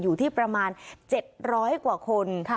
อยู่ที่ประมาณ๗๐๐กว่าคน